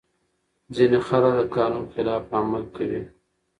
ځينې خلګ د قانون خلاف عمل کوي.